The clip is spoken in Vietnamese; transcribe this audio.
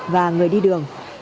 và người đi đường